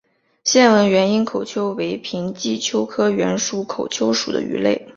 线纹原缨口鳅为平鳍鳅科原缨口鳅属的鱼类。